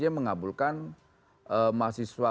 yang mengabulkan mahasiswa